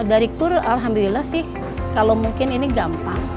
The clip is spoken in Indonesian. dari kur alhamdulillah sih kalau mungkin ini gampang